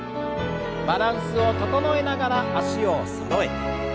バランスを整えながら脚をそろえて。